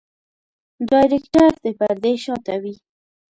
ډايرکټر د پردې شاته وي.